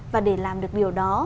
và để làm được điều đó